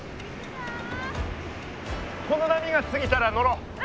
この波がすぎたら乗ろう。